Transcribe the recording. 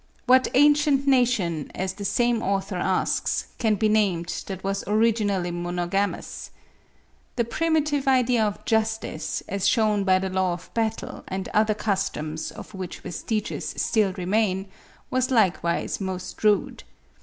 What ancient nation, as the same author asks, can be named that was originally monogamous? The primitive idea of justice, as shewn by the law of battle and other customs of which vestiges still remain, was likewise most rude.